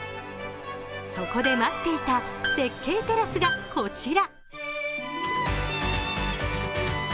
そこで待っていた絶景テラスがこちら。